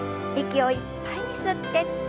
息をいっぱいに吸って。